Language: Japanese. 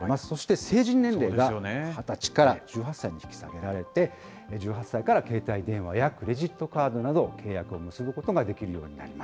そして成人年齢が２０歳から１８歳に引き下げられて、１８歳から携帯電話やクレジットカードなど、契約を結ぶことができるようにな